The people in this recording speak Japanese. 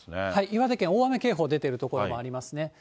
岩手県、大雨警報出ている所もありますね。